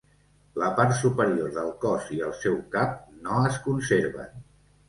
La part superior del cos i el seu cap no es conserven.